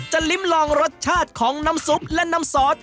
ลิ้มลองรสชาติของน้ำซุปและน้ำซอส